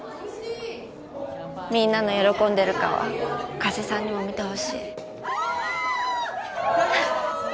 みんなの喜んでる顔加瀬さんにも見てほしいあっ